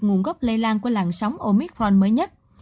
nguồn gốc lây lan của làn sóng omitforn mới nhất